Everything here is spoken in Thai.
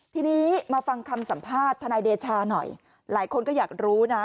ทีนี้มาฟังคำสัมภาษณ์ทนายเดชาหน่อยหลายคนก็อยากรู้นะ